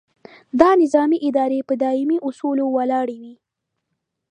دا نظامي ادارې په دایمي اصولو ولاړې وي.